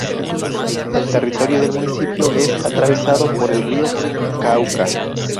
El territorio del municipio es atravesado por el río Cauca.